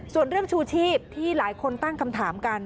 ส่วนเรื่องชูชีพที่หลายคนตั้งคำถามกัน